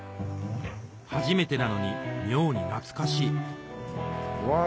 初めてなのに妙に懐かしいうわぁ。